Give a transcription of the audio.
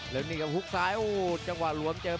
หัวจิตหัวใจแก่เกินร้อยครับ